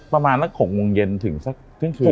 ประมาณสัก๖โมงเย็นถึงสักเที่ยงคืน